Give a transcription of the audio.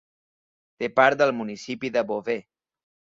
Té part del municipi de Beauvais.